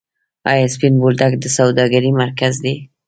آیا سپین بولدک د سوداګرۍ مرکز دی؟